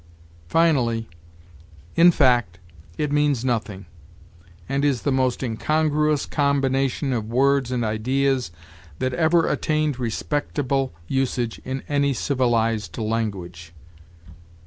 Finally, 'In fact, it means nothing, and is the most incongruous combination of words and ideas that ever attained respectable usage in any civilized language.'